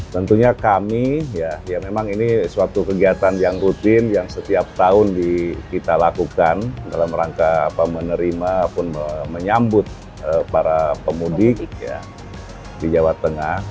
tentunya kami ya memang ini suatu kegiatan yang rutin yang setiap tahun kita lakukan dalam rangka menerima ataupun menyambut para pemudik di jawa tengah